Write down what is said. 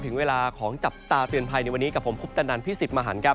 ถึงเวลาของจับตาเปลี่ยนไพรในวันนี้กับผมคุกตันดันพี่สิบมาหันครับ